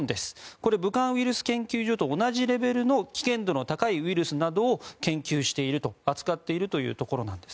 これ、武漢ウイルス研究所と同じレベルの危険度の高いウイルスなどを研究している扱っているところなんです。